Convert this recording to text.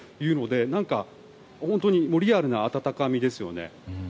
何か、本当にリアルな温かみですよね。